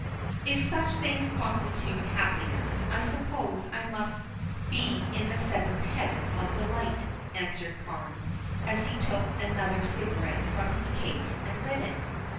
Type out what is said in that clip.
"If such things constitute happiness I suppose I must be in the seventh heaven of delight," answered Carne, as he took another cigarette from his case and lit it.